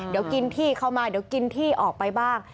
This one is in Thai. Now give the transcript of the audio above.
เดี๋ยวกินที่เข้ามาเดี๋ยวกินที่ออกไปบ้าง